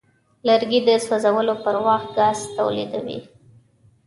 لرګی د سوځولو پر وخت ګاز تولیدوي.